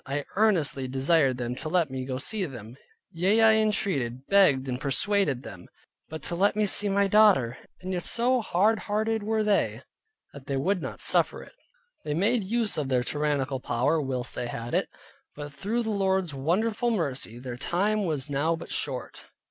I earnestly desired them to let me go and see them: yea, I entreated, begged, and persuaded them, but to let me see my daughter; and yet so hard hearted were they, that they would not suffer it. They made use of their tyrannical power whilst they had it; but through the Lord's wonderful mercy, their time was now but short.